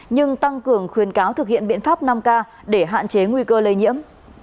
nhưng tăng cường khuyến cáo thực hiện biện pháp năm k để hạn chế nguy cơ lây nhiễm